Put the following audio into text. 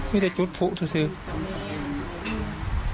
ไม่ได้จุดผู้ทุก